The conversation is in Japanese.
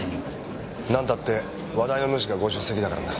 なんたって話題の主がご出席だからな。